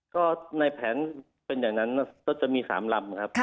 ก็ในแผนเป็นอย่างนั้นก็จะมี๓ลำครับ